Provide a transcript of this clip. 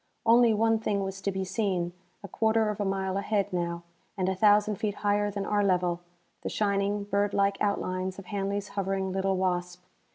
Only one thing was to be seen: a quarter of a mile ahead, now, and a thousand feet higher than our level, the shining, bird like outlines of Hanley's hovering little Wasp.